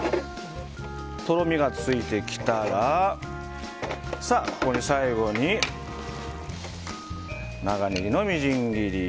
とろみがついてきたら最後に長ネギのみじん切り。